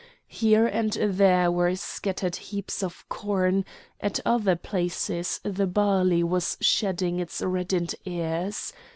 Here and there were scattered heaps of corn; at other places the barley was shedding its reddened ears.